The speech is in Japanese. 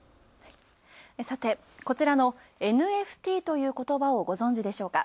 こちらのＮＦＴということばをご存じでしょうか？